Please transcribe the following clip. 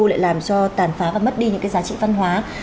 lại làm cho tàn phá và mất đi những cái giá trị văn hóa